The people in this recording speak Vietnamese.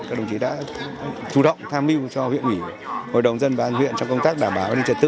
các đồng chí đã chủ động tham mưu cho huyện ủy hội đồng dân và an huyện trong công tác đảm bảo an ninh trật tự